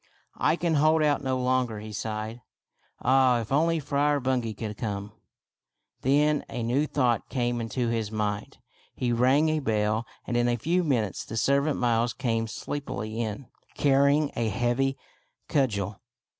" I can hold out no longer," he sighed. " Ah, if only Friar Bungay could come !" Then a new thought came into his mind. He 74 THIRTY MORE FAMOUS STORIES rang a bell, and in a few minutes the servant Miles came sleepily in, carrying a heavy cudgel.